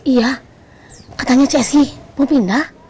iya katanya cessy mau pindah